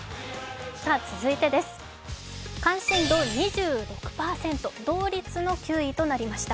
続いてです、関心度２６％同率の９位となりました。